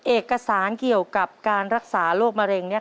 เอกสารเกี่ยวกับการรักษาโรคมะเร็งเนี่ย